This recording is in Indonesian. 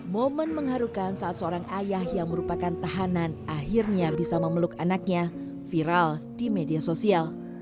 momen mengharukan saat seorang ayah yang merupakan tahanan akhirnya bisa memeluk anaknya viral di media sosial